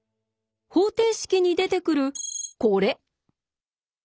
方程式に出てくるこれ。